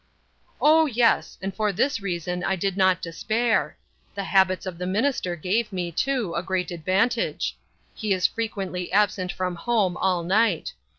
"Oh, yes; and for this reason I did not despair. The habits of the minister gave me, too, a great advantage. He is frequently absent from home all night.